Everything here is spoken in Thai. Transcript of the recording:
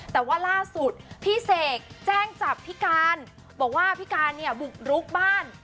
แต่ว่าล่าสุดพี่เสกแจ้งจับพี่การบอกว่าพี่การเนี่ยบุกรุกบ้าน